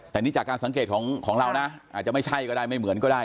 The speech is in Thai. แต่นี่จากการสังเกตของเรานะอาจจะไม่ใช่ก็ได้ไม่เหมือนก็ได้